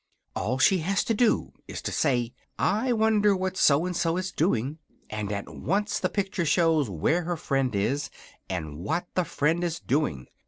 All she has to do is to say: 'I wonder what So and so is doing,' and at once the picture shows where her friend is and what the friend is doing.